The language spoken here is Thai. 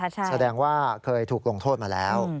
แสดงว่าเคยถูกลงโทษมาแล้ว